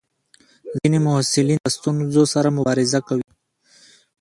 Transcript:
ځینې محصلین د ستونزو سره مبارزه کوي.